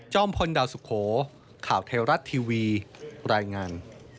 พลดาวสุโขข่าวเทวรัฐทีวีรายงาน